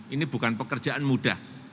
ini bukan pekerjaan mudah